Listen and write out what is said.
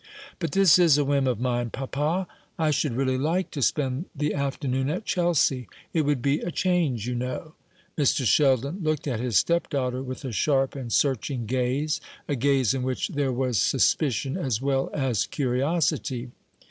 "But this is a whim of mine, papa; I should really like to spend the afternoon at Chelsea. It would be a change, you know." Mr. Sheldon looked at his stepdaughter with a sharp and searching gaze, a gaze in which there was suspicion as well as curiosity.